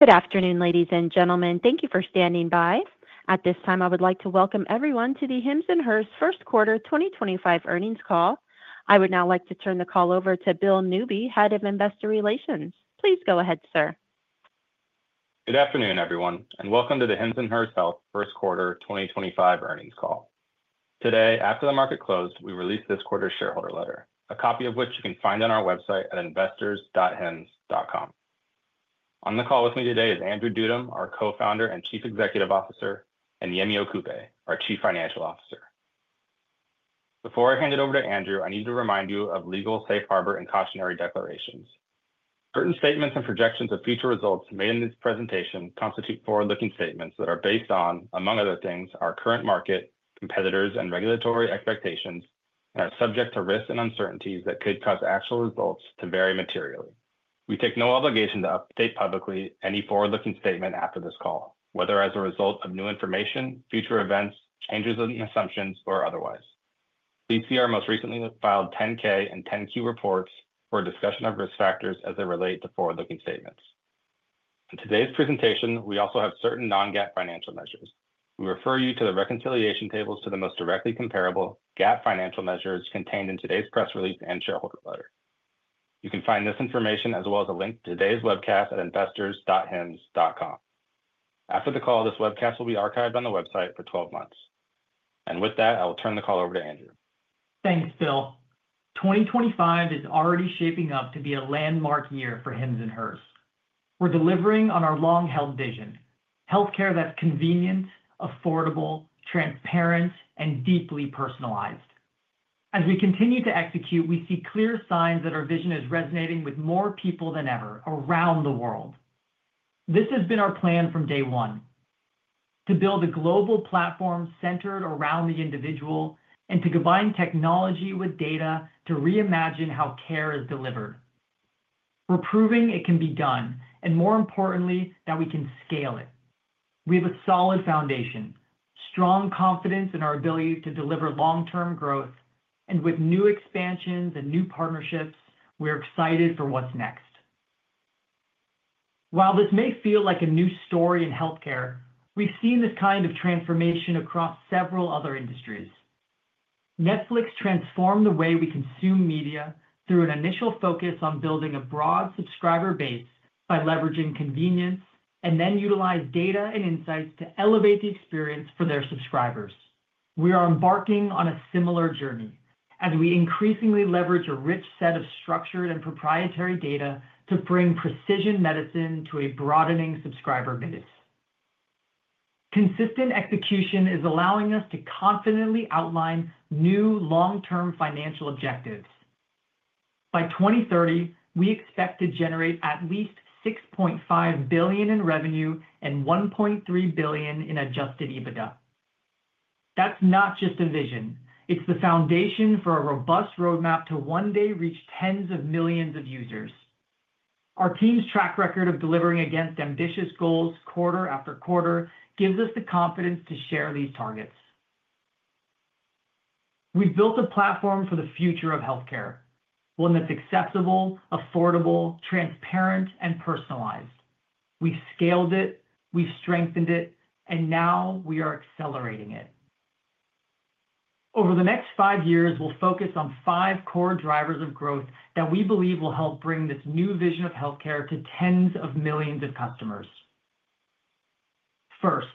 Good afternoon, ladies and gentlemen. Thank you for standing by. At this time, I would like to welcome everyone to the Hims & Hers Q1 2025 earnings call. I would now like to turn the call over to Bill Newby, Head of Investor Relations. Please go ahead, sir. Good afternoon, everyone, and welcome to the Hims & Hers Health Q1 2025 earnings call. Today, after the market closed, we released this quarter's shareholder letter, a copy of which you can find on our website at investors.hims.com. On the call with me today is Andrew Dudum, our Co-Founder and Chief Executive Officer, and Yemi Okupe, our Chief Financial Officer. Before I hand it over to Andrew, I need to remind you of legal safe harbor and cautionary declarations. Certain statements and projections of future results made in this presentation constitute forward-looking statements that are based on, among other things, our current market, competitors, and regulatory expectations, and are subject to risks and uncertainties that could cause actual results to vary materially. We take no obligation to update publicly any forward-looking statement after this call, whether as a result of new information, future events, changes in assumptions, or otherwise. Please see our most recently filed 10-K and 10-Q reports for a discussion of risk factors as they relate to forward-looking statements. In today's presentation, we also have certain non-GAAP financial measures. We refer you to the reconciliation tables to the most directly comparable GAAP financial measures contained in today's press release and shareholder letter. You can find this information, as well as a link to today's webcast at investors.hims.com. After the call, this webcast will be archived on the website for 12 months. With that, I will turn the call over to Andrew. Thanks, Bill. 2025 is already shaping up to be a landmark year for Hims & Hers. We're delivering on our long-held vision: healthcare that's convenient, affordable, transparent, and deeply personalized. As we continue to execute, we see clear signs that our vision is resonating with more people than ever around the world. This has been our plan from day one: to build a global platform centered around the individual and to combine technology with data to reimagine how care is delivered. We're proving it can be done, and more importantly, that we can scale it. We have a solid foundation, strong confidence in our ability to deliver long-term growth, and with new expansions and new partnerships, we're excited for what's next. While this may feel like a new story in healthcare, we've seen this kind of transformation across several other industries. Netflix transformed the way we consume media through an initial focus on building a broad subscriber base by leveraging convenience and then utilized data and insights to elevate the experience for their subscribers. We are embarking on a similar journey as we increasingly leverage a rich set of structured and proprietary data to bring precision medicine to a broadening subscriber base. Consistent execution is allowing us to confidently outline new long-term financial objectives. By 2030, we expect to generate at least $6.5 billion in revenue and $1.3 billion in adjusted EBITDA. That's not just a vision. It's the foundation for a robust roadmap to one day reach tens of millions of users. Our team's track record of delivering against ambitious goals quarter after quarter gives us the confidence to share these targets. We've built a platform for the future of healthcare, one that's accessible, affordable, transparent, and personalized. We've scaled it, we've strengthened it, and now we are accelerating it. Over the next five years, we'll focus on five core drivers of growth that we believe will help bring this new vision of healthcare to tens of millions of customers. First,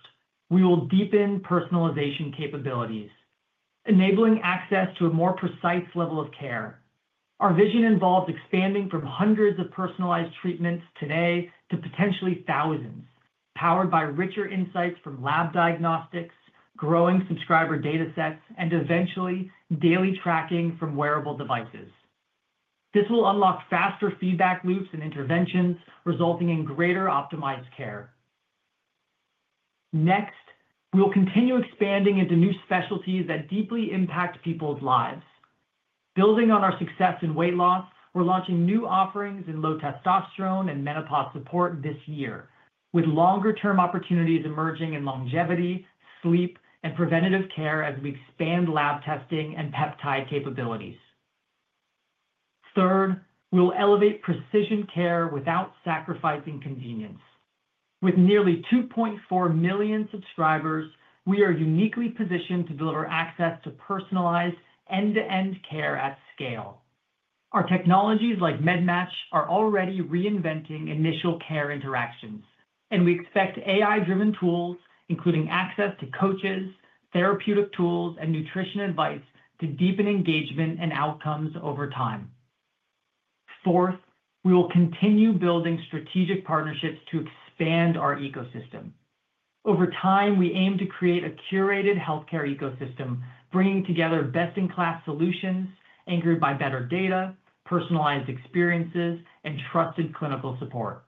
we will deepen personalization capabilities, enabling access to a more precise level of care. Our vision involves expanding from hundreds of personalized treatments today to potentially thousands, powered by richer insights from lab diagnostics, growing subscriber data sets, and eventually daily tracking from wearable devices. This will unlock faster feedback loops and interventions, resulting in greater optimized care. Next, we'll continue expanding into new specialties that deeply impact people's lives. Building on our success in weight loss, we're launching new offerings in low testosterone and menopause support this year, with longer-term opportunities emerging in longevity, sleep, and preventative care as we expand lab testing and peptide capabilities. Third, we'll elevate precision care without sacrificing convenience. With nearly 2.4 million subscribers, we are uniquely positioned to deliver access to personalized end-to-end care at scale. Our technologies like MedMatch are already reinventing initial care interactions, and we expect AI-driven tools, including access to coaches, therapeutic tools, and nutrition advice, to deepen engagement and outcomes over time. Fourth, we will continue building strategic partnerships to expand our ecosystem. Over time, we aim to create a curated healthcare ecosystem, bringing together best-in-class solutions anchored by better data, personalized experiences, and trusted clinical support.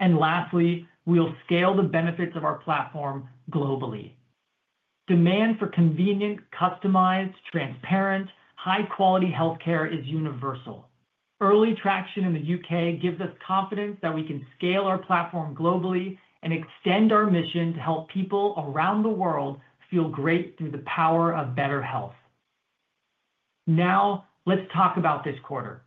Lastly, we'll scale the benefits of our platform globally. Demand for convenient, customized, transparent, high-quality healthcare is universal. Early traction in the U.K. gives us confidence that we can scale our platform globally and extend our mission to help people around the world feel great through the power of better health. Now, let's talk about this quarter.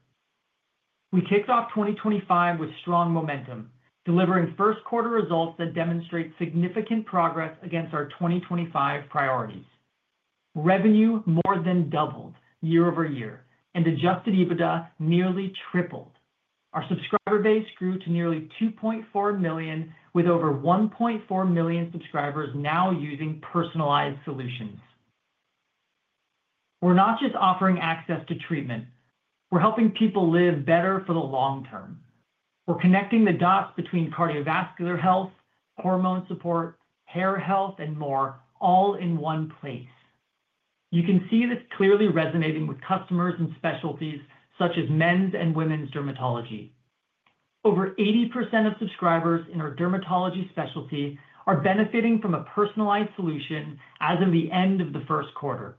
We kicked off 2025 with strong momentum, delivering first-quarter results that demonstrate significant progress against our 2025 priorities. Revenue more than doubled year-over-year, and adjusted EBITDA nearly tripled. Our subscriber base grew to nearly 2.4 million, with over 1.4 million subscribers now using personalized solutions. We're not just offering access to treatment; we're helping people live better for the long term. We're connecting the dots between cardiovascular health, hormone support, hair health, and more, all in one place. You can see this clearly resonating with customers and specialties such as men's and women's dermatology. Over 80% of subscribers in our dermatology specialty are benefiting from a personalized solution as of the end of the Q1,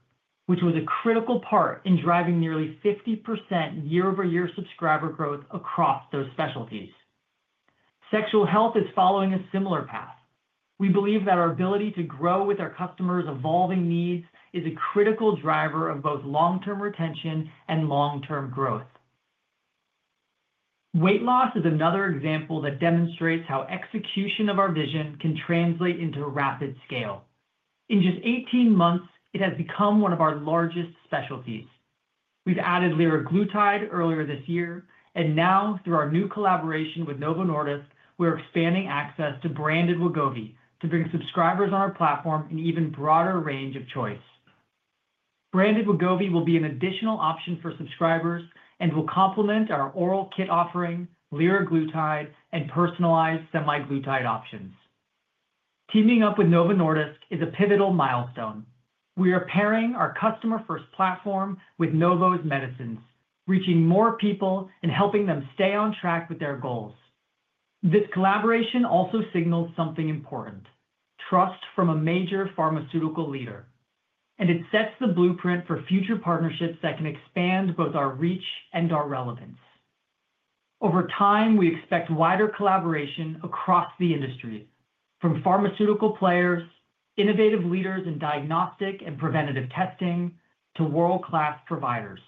which was a critical part in driving nearly 50% year-over-year subscriber growth across those specialties. Sexual health is following a similar path. We believe that our ability to grow with our customers' evolving needs is a critical driver of both long-term retention and long-term growth. Weight loss is another example that demonstrates how execution of our vision can translate into rapid scale. In just 18 months, it has become one of our largest specialties. We've added liraglutide earlier this year, and now, through our new collaboration with Novo Nordisk, we're expanding access to branded Wegovy to bring subscribers on our platform an even broader range of choice. Branded Wegovy will be an additional option for subscribers and will complement our oral kit offering, liraglutide, and personalized semaglutide options. Teaming up with Novo Nordisk is a pivotal milestone. We are pairing our customer-first platform with Novo's medicines, reaching more people and helping them stay on track with their goals. This collaboration also signals something important: trust from a major pharmaceutical leader, and it sets the blueprint for future partnerships that can expand both our reach and our relevance. Over time, we expect wider collaboration across the industry, from pharmaceutical players, innovative leaders in diagnostic and preventative testing, to world-class providers.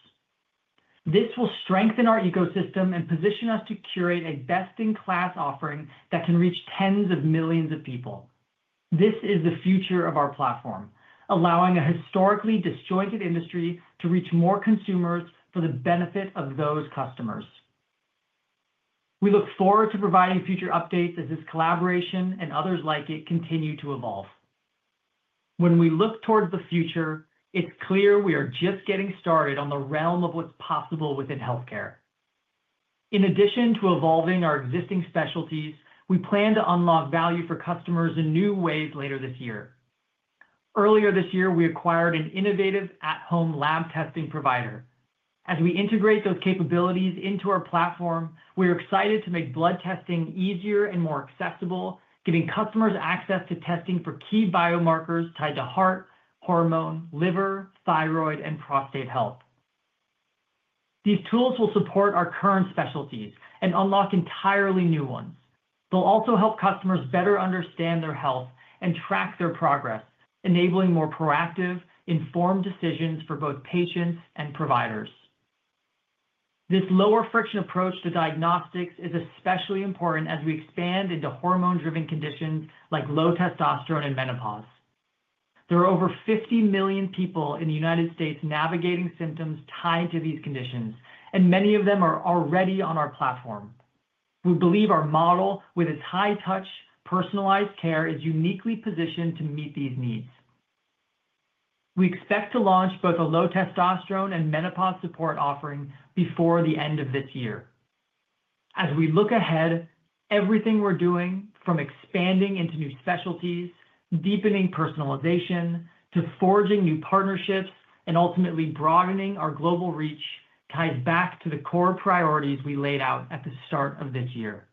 This will strengthen our ecosystem and position us to curate a best-in-class offering that can reach tens of millions of people. This is the future of our platform, allowing a historically disjointed industry to reach more consumers for the benefit of those customers. We look forward to providing future updates as this collaboration and others like it continue to evolve. When we look towards the future, it's clear we are just getting started on the realm of what's possible within healthcare. In addition to evolving our existing specialties, we plan to unlock value for customers in new ways later this year. Earlier this year, we acquired an innovative at-home lab testing provider. As we integrate those capabilities into our platform, we are excited to make blood testing easier and more accessible, giving customers access to testing for key biomarkers tied to heart, hormone, liver, thyroid, and prostate health. These tools will support our current specialties and unlock entirely new ones. They'll also help customers better understand their health and track their progress, enabling more proactive, informed decisions for both patients and providers. This lower-friction approach to diagnostics is especially important as we expand into hormone-driven conditions like low testosterone and menopause. There are over 50 million people in the United States navigating symptoms tied to these conditions, and many of them are already on our platform. We believe our model with its high-touch, personalized care is uniquely positioned to meet these needs. We expect to launch both a low testosterone and menopause support offering before the end of this year. As we look ahead, everything we're doing, from expanding into new specialties, deepening personalization, to forging new partnerships, and ultimately broadening our global reach, ties back to the core priorities we laid out at the start of this year.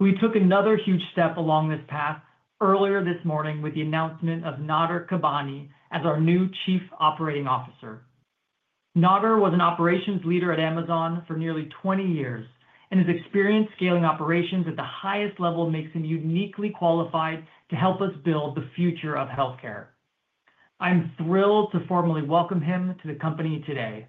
We took another huge step along this path earlier this morning with the announcement of Nader Kabbani as our new Chief Operating Officer. Nader was an operations leader at Amazon for nearly 20 years, and his experience scaling operations at the highest level makes him uniquely qualified to help us build the future of healthcare. I'm thrilled to formally welcome him to the company today.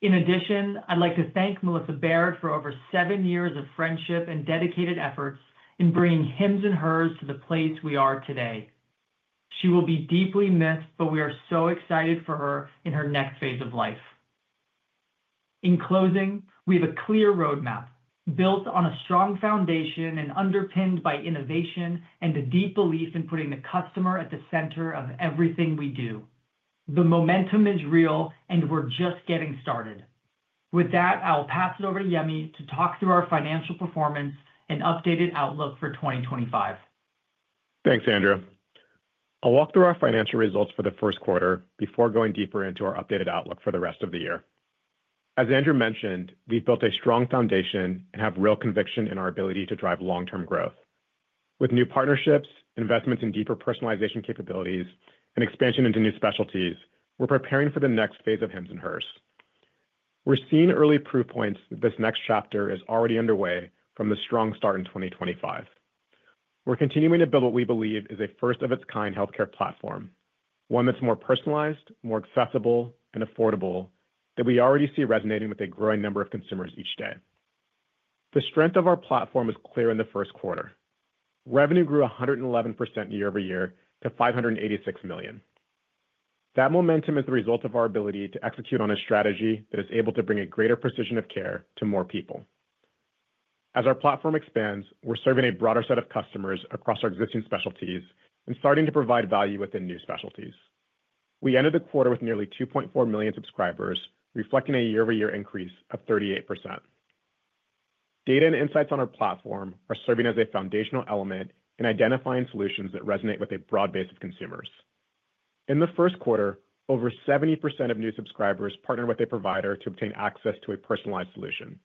In addition, I'd like to thank Melissa Baird for over seven years of friendship and dedicated efforts in bringing Hims & Hers to the place we are today. She will be deeply missed, but we are so excited for her in her next phase of life. In closing, we have a clear roadmap built on a strong foundation and underpinned by innovation and a deep belief in putting the customer at the center of everything we do. The momentum is real, and we're just getting started. With that, I'll pass it over to Yemi to talk through our financial performance and updated outlook for 2025. Thanks, Andrew. I'll walk through our financial results for the Q1 before going deeper into our updated outlook for the rest of the year. As Andrew mentioned, we've built a strong foundation and have real conviction in our ability to drive long-term growth. With new partnerships, investments in deeper personalization capabilities, and expansion into new specialties, we're preparing for the next phase of Hims & Hers. We're seeing early proof points that this next chapter is already underway from the strong start in 2024. We're continuing to build what we believe is a first-of-its-kind healthcare platform, one that's more personalized, more accessible, and affordable, that we already see resonating with a growing number of consumers each day. The strength of our platform was clear in the Q1. Revenue grew 111% year-over-year to $586 million. That momentum is the result of our ability to execute on a strategy that is able to bring a greater precision of care to more people. As our platform expands, we're serving a broader set of customers across our existing specialties and starting to provide value within new specialties. We ended the quarter with nearly 2.4 million subscribers, reflecting a year-over-year increase of 38%. Data and insights on our platform are serving as a foundational element in identifying solutions that resonate with a broad base of consumers. In the Q1, over 70% of new subscribers partnered with a provider to obtain access to a personalized solution.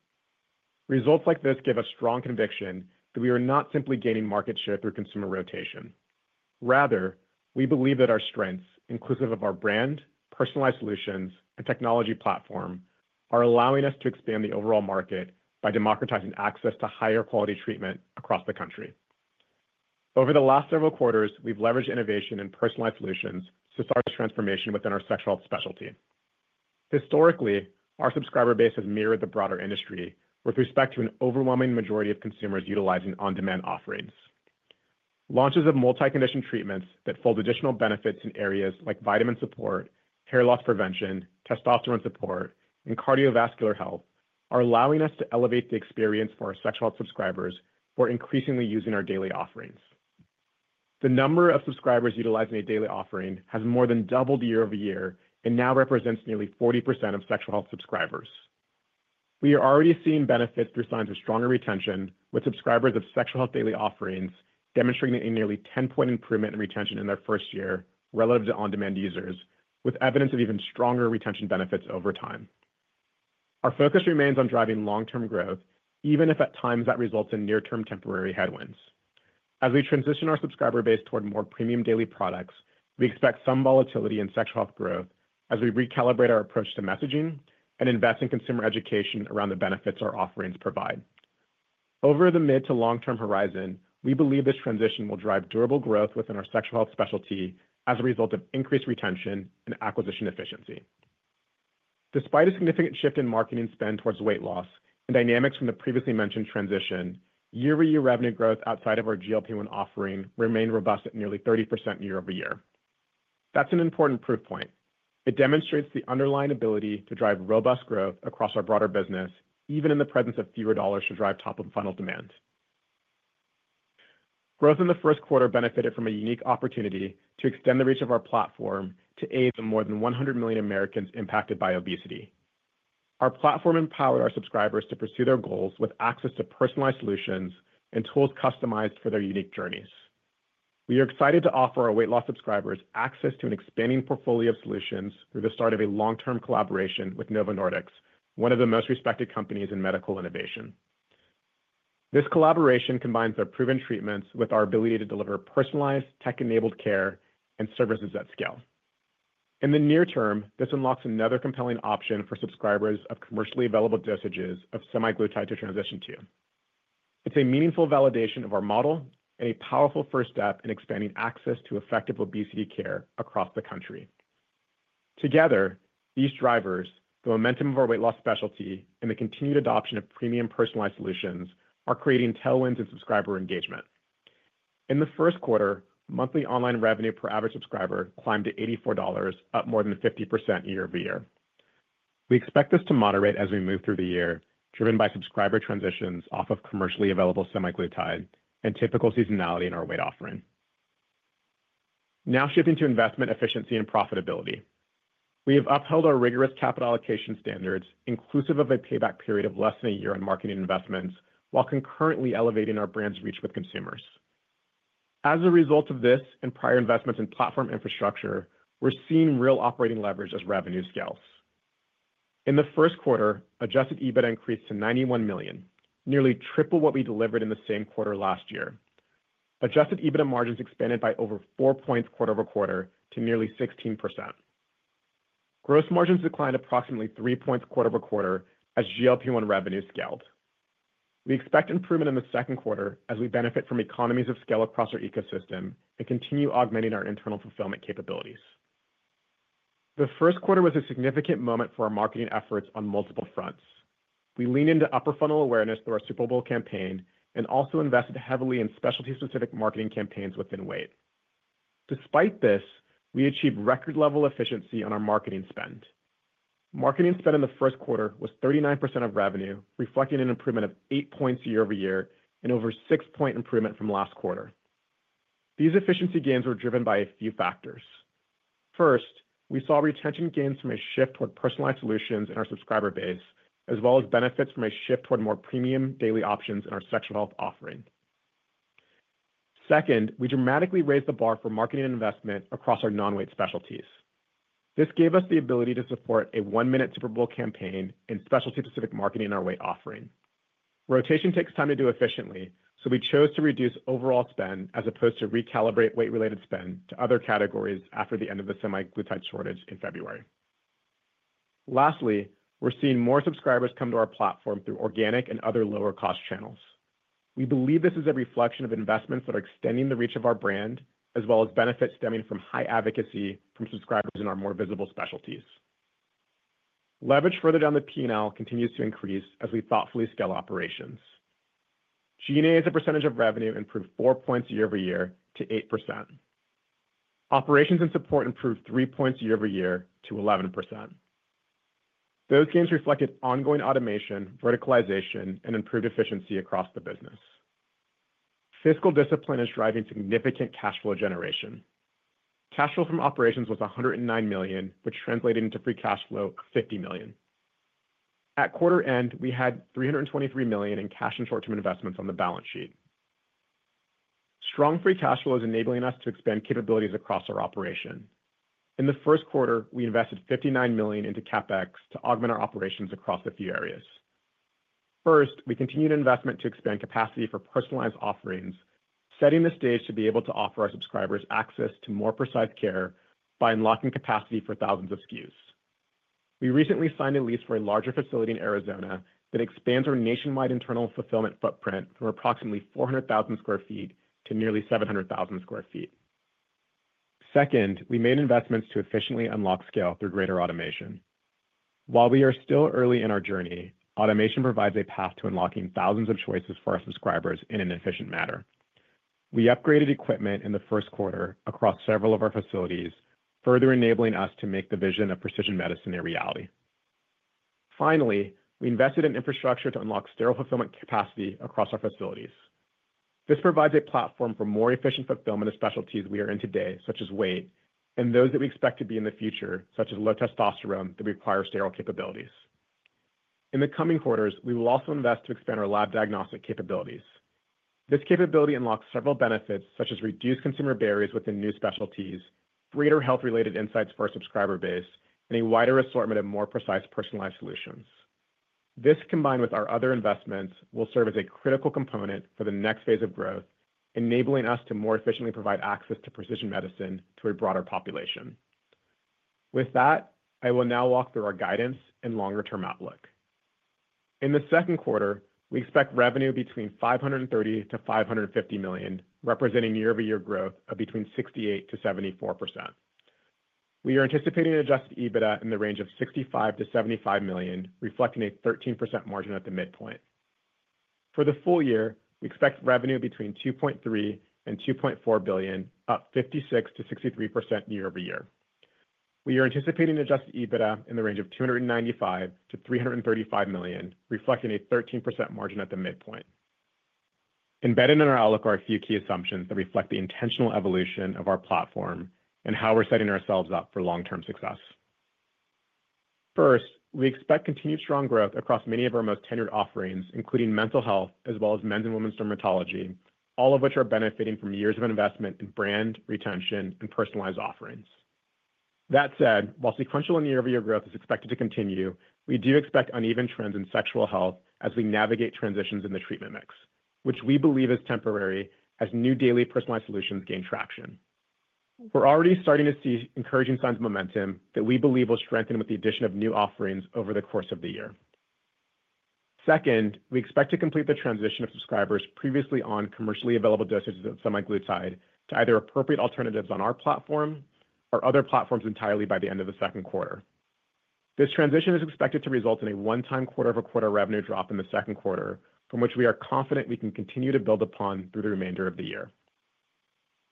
Results like this give us strong conviction that we are not simply gaining market share through consumer rotation. Rather, we believe that our strengths, inclusive of our brand, personalized solutions, and technology platform, are allowing us to expand the overall market by democratizing access to higher-quality treatment across the country. Over the last several quarters, we've leveraged innovation in personalized solutions to start a transformation within our sexual health specialty. Historically, our subscriber base has mirrored the broader industry, with respect to an overwhelming majority of consumers utilizing on-demand offerings. Launches of multi-condition treatments that fold additional benefits in areas like vitamin support, hair loss prevention, testosterone support, and cardiovascular health are allowing us to elevate the experience for our sexual health subscribers who are increasingly using our daily offerings. The number of subscribers utilizing a daily offering has more than doubled year-over-year and now represents nearly 40% of sexual health subscribers. We are already seeing benefits through signs of stronger retention, with subscribers of sexual health daily offerings demonstrating a nearly 10-point improvement in retention in their first year relative to on-demand users, with evidence of even stronger retention benefits over time. Our focus remains on driving long-term growth, even if at times that results in near-term temporary headwinds. As we transition our subscriber base toward more premium daily products, we expect some volatility in sexual health growth as we recalibrate our approach to messaging and invest in consumer education around the benefits our offerings provide. Over the mid- to long-term horizon, we believe this transition will drive durable growth within our sexual health specialty as a result of increased retention and acquisition efficiency. Despite a significant shift in marketing spend towards weight loss and dynamics from the previously mentioned transition, year-over-year revenue growth outside of our GLP-1 offering remained robust at nearly 30% year-over-year. That's an important proof point. It demonstrates the underlying ability to drive robust growth across our broader business, even in the presence of fewer dollars to drive top-of-funnel demand. Growth in the Q1 benefited from a unique opportunity to extend the reach of our platform to aid the more than 100 million Americans impacted by obesity. Our platform empowered our subscribers to pursue their goals with access to personalized solutions and tools customized for their unique journeys. We are excited to offer our weight loss subscribers access to an expanding portfolio of solutions through the start of a long-term collaboration with Novo Nordisk, one of the most respected companies in medical innovation. This collaboration combines our proven treatments with our ability to deliver personalized, tech-enabled care and services at scale. In the near term, this unlocks another compelling option for subscribers of commercially available dosages of semaglutide to transition to. It's a meaningful validation of our model and a powerful first step in expanding access to effective obesity care across the country. Together, these drivers, the momentum of our weight loss specialty, and the continued adoption of premium personalized solutions are creating tailwinds in subscriber engagement. In the Q1, monthly online revenue per average subscriber climbed to $84, up more than 50% year-over-year. We expect this to moderate as we move through the year, driven by subscriber transitions off of commercially available semaglutide and typical seasonality in our weight offering. Now shifting to investment efficiency and profitability. We have upheld our rigorous capital allocation standards, inclusive of a payback period of less than a year on marketing investments, while concurrently elevating our brand's reach with consumers. As a result of this and prior investments in platform infrastructure, we're seeing real operating leverage as revenue scales. In the Q1, adjusted EBITDA increased to $91 million, nearly triple what we delivered in the same quarter last year. Adjusted EBITDA margins expanded by over four percentage points quarter over quarter to nearly 16%. Gross margins declined approximately three percentage points quarter over quarter as GLP-1 revenue scaled. We expect improvement in the Q2 as we benefit from economies of scale across our ecosystem and continue augmenting our internal fulfillment capabilities. The Q1 was a significant moment for our marketing efforts on multiple fronts. We leaned into upper-funnel awareness through our Super Bowl campaign and also invested heavily in specialty-specific marketing campaigns within weight. Despite this, we achieved record-level efficiency on our marketing spend. Marketing spend in the Q1 was 39% of revenue, reflecting an improvement of eight percentage points year-over-year and over a six-point improvement from last quarter. These efficiency gains were driven by a few factors. First, we saw retention gains from a shift toward personalized solutions in our subscriber base, as well as benefits from a shift toward more premium daily options in our sexual health offering. Second, we dramatically raised the bar for marketing and investment across our non-weight specialties. This gave us the ability to support a one-minute Super Bowl campaign and specialty-specific marketing in our weight offering. Rotation takes time to do efficiently, so we chose to reduce overall spend as opposed to recalibrate weight-related spend to other categories after the end of the semaglutide shortage in February. Lastly, we're seeing more subscribers come to our platform through organic and other lower-cost channels. We believe this is a reflection of investments that are extending the reach of our brand, as well as benefits stemming from high advocacy from subscribers in our more visible specialties. Leverage further down the P&L continues to increase as we thoughtfully scale operations. G&A's percentage of revenue improved four points year-over-year to 8%. Operations and support improved three points year-over-year to 11%. Those gains reflected ongoing automation, verticalization, and improved efficiency across the business. Fiscal discipline is driving significant cash flow generation. Cash flow from operations was $109 million, which translated into free cash flow of $50 million. At quarter end, we had $323 million in cash and short-term investments on the balance sheet. Strong free cash flow is enabling us to expand capabilities across our operation. In the Q1, we invested $59 million into CapEx to augment our operations across a few areas. First, we continued investment to expand capacity for personalized offerings, setting the stage to be able to offer our subscribers access to more precise care by unlocking capacity for thousands of SKUs. We recently signed a lease for a larger facility in Arizona that expands our nationwide internal fulfillment footprint from approximately 400,000 sq ft to nearly 700,000 sq ft. Second, we made investments to efficiently unlock scale through greater automation. While we are still early in our journey, automation provides a path to unlocking thousands of choices for our subscribers in an efficient manner. We upgraded equipment in the Q1 across several of our facilities, further enabling us to make the vision of precision medicine a reality. Finally, we invested in infrastructure to unlock sterile fulfillment capacity across our facilities. This provides a platform for more efficient fulfillment of specialties we are in today, such as weight, and those that we expect to be in the future, such as low testosterone that require sterile capabilities. In the coming quarters, we will also invest to expand our lab diagnostic capabilities. This capability unlocks several benefits, such as reduced consumer barriers within new specialties, greater health-related insights for our subscriber base, and a wider assortment of more precise personalized solutions. This, combined with our other investments, will serve as a critical component for the next phase of growth, enabling us to more efficiently provide access to precision medicine to a broader population. With that, I will now walk through our guidance and longer-term outlook. In the Q2, we expect revenue between $530 million-$550 million, representing year-over-year growth of between 68% and 74%. We are anticipating adjusted EBITDA in the range of $65 million-$75 million, reflecting a 13% margin at the midpoint. For the full year, we expect revenue between $2.3 billion and $2.4 billion, up 56% to 63% year-over-year. We are anticipating adjusted EBITDA in the range of $295 million-$335 million, reflecting a 13% margin at the midpoint. Embedded in our outlook are a few key assumptions that reflect the intentional evolution of our platform and how we're setting ourselves up for long-term success. First, we expect continued strong growth across many of our most tenured offerings, including mental health, as well as men's and women's dermatology, all of which are benefiting from years of investment in brand, retention, and personalized offerings. That said, while sequential and year-over-year growth is expected to continue, we do expect uneven trends in sexual health as we navigate transitions in the treatment mix, which we believe is temporary as new daily personalized solutions gain traction. We're already starting to see encouraging signs of momentum that we believe will strengthen with the addition of new offerings over the course of the year. Second, we expect to complete the transition of subscribers previously on commercially available dosages of semaglutide to either appropriate alternatives on our platform or other platforms entirely by the end of the Q2. This transition is expected to result in a one-time quarter-over-quarter revenue drop in the Q2, from which we are confident we can continue to build upon through the remainder of the year.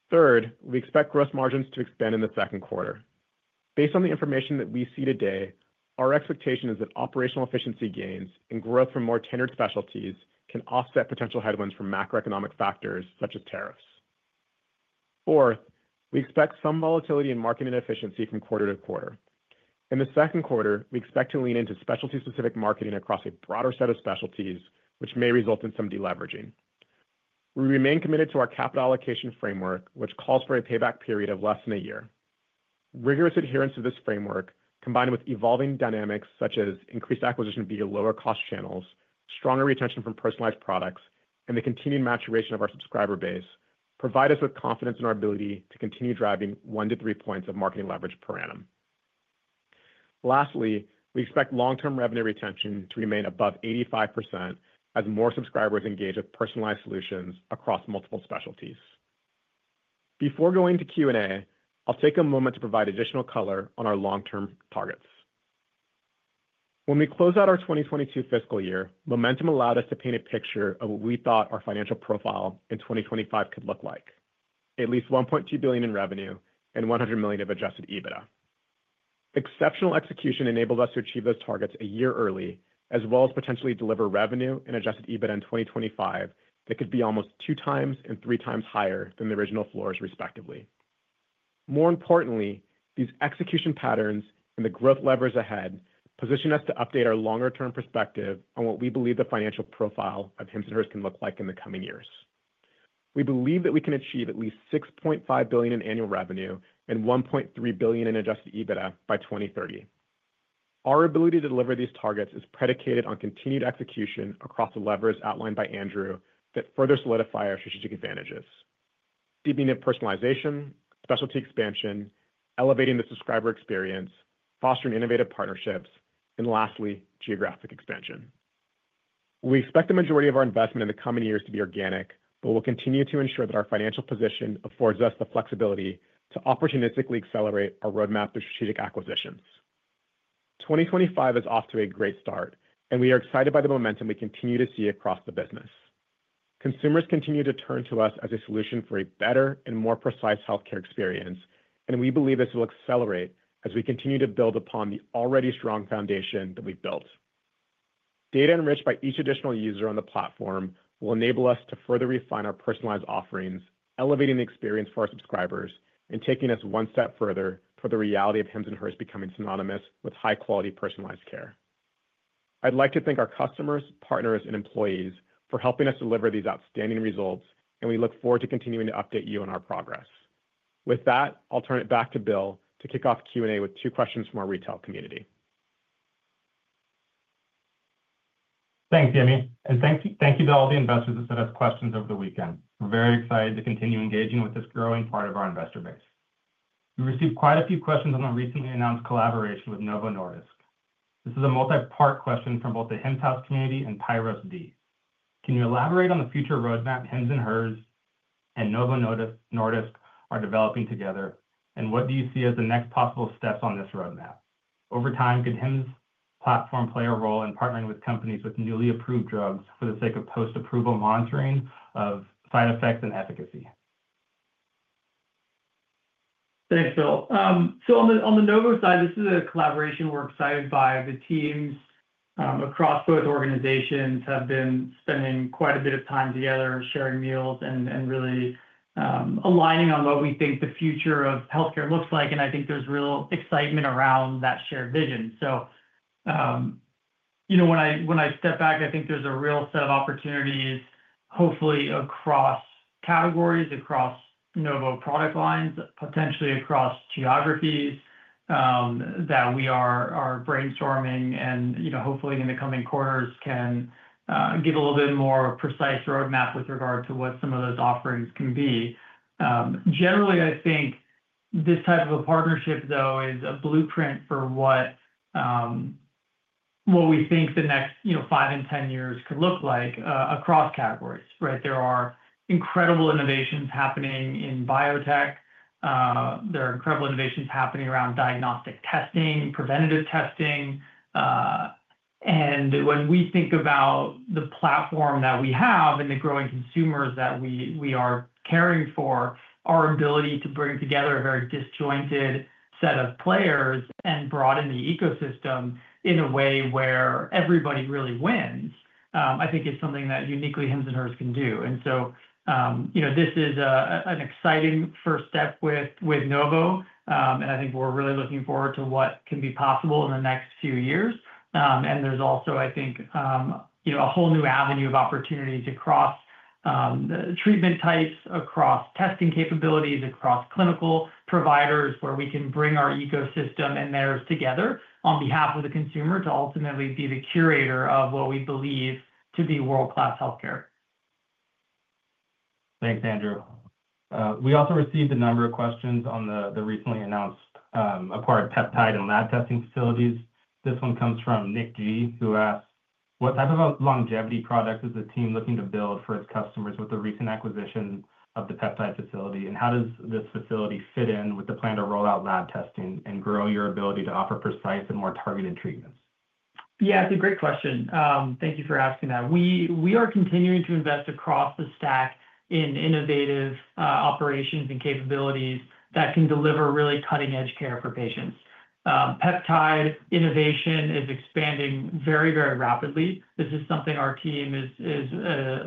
Third, we expect gross margins to expand in the Q2. Based on the information that we see today, our expectation is that operational efficiency gains and growth from more tenured specialties can offset potential headwinds from macroeconomic factors such as tariffs. Fourth, we expect some volatility in marketing efficiency from quarter to quarter. In the Q2, we expect to lean into specialty-specific marketing across a broader set of specialties, which may result in some deleveraging. We remain committed to our capital allocation framework, which calls for a payback period of less than a year. Rigorous adherence to this framework, combined with evolving dynamics such as increased acquisition via lower-cost channels, stronger retention from personalized products, and the continued maturation of our subscriber base, provide us with confidence in our ability to continue driving one to three percentage points of marketing leverage per annum. Lastly, we expect long-term revenue retention to remain above 85% as more subscribers engage with personalized solutions across multiple specialties. Before going to Q&A, I'll take a moment to provide additional color on our long-term targets. When we close out our 2022 fiscal year, momentum allowed us to paint a picture of what we thought our financial profile in 2025 could look like: at least $1.2 billion in revenue and $100 million of adjusted EBITDA. Exceptional execution enabled us to achieve those targets a year early, as well as potentially deliver revenue and adjusted EBITDA in 2025 that could be almost two times and three times higher than the original floors, respectively. More importantly, these execution patterns and the growth levers ahead position us to update our longer-term perspective on what we believe the financial profile of Hims & Hers can look like in the coming years. We believe that we can achieve at least $6.5 billion in annual revenue and $1.3 billion in adjusted EBITDA by 2030. Our ability to deliver these targets is predicated on continued execution across the levers outlined by Andrew that further solidify our strategic advantages: deepening of personalization, specialty expansion, elevating the subscriber experience, fostering innovative partnerships, and lastly, geographic expansion. We expect the majority of our investment in the coming years to be organic, but we'll continue to ensure that our financial position affords us the flexibility to opportunistically accelerate our roadmap through strategic acquisitions. 2025 is off to a great start, and we are excited by the momentum we continue to see across the business. Consumers continue to turn to us as a solution for a better and more precise healthcare experience, and we believe this will accelerate as we continue to build upon the already strong foundation that we've built. Data enriched by each additional user on the platform will enable us to further refine our personalized offerings, elevating the experience for our subscribers and taking us one step further toward the reality of Hims & Hers becoming synonymous with high-quality personalized care. I'd like to thank our customers, partners, and employees for helping us deliver these outstanding results, and we look forward to continuing to update you on our progress. With that, I'll turn it back to Bill to kick off Q&A with two questions from our retail community. Thanks, Yemi. Thank you to all the investors that sent us questions over the weekend. We're very excited to continue engaging with this growing part of our investor base. We received quite a few questions on the recently announced collaboration with Novo Nordisk. This is a multi-part question from both the Hims & Hers community and PyrosD. Can you elaborate on the future roadmap Hims & Hers and Novo Nordisk are developing together, and what do you see as the next possible steps on this roadmap? Over time, could Hims platform play a role in partnering with companies with newly approved drugs for the sake of post-approval monitoring of side effects and efficacy? Thanks, Bill. On the Novo side, this is a collaboration we're excited by. The teams across both organizations have been spending quite a bit of time together sharing meals and really aligning on what we think the future of healthcare looks like. I think there's real excitement around that shared vision. When I step back, I think there's a real set of opportunities, hopefully across categories, across Novo product lines, potentially across geographies that we are brainstorming and hopefully in the coming quarters can give a little bit more precise roadmap with regard to what some of those offerings can be. Generally, I think this type of a partnership, though, is a blueprint for what we think the next five and ten years could look like across categories. There are incredible innovations happening in biotech. There are incredible innovations happening around diagnostic testing, preventative testing. When we think about the platform that we have and the growing consumers that we are caring for, our ability to bring together a very disjointed set of players and broaden the ecosystem in a way where everybody really wins, I think, is something that uniquely Hims & Hers can do. This is an exciting first step with Novo, and I think we're really looking forward to what can be possible in the next few years. There is also, I think, a whole new avenue of opportunities across treatment types, across testing capabilities, across clinical providers where we can bring our ecosystem and theirs together on behalf of the consumer to ultimately be the curator of what we believe to be world-class healthcare. Thanks, Andrew. We also received a number of questions on the recently announced acquired peptide and lab testing facilities. This one comes from Nick G, who asked, "What type of a longevity product is the team looking to build for its customers with the recent acquisition of the peptide facility? And how does this facility fit in with the plan to roll out lab testing and grow your ability to offer precise and more targeted treatments?" Yeah, it's a great question. Thank you for asking that. We are continuing to invest across the stack in innovative operations and capabilities that can deliver really cutting-edge care for patients. Peptide innovation is expanding very, very rapidly. This is something our team is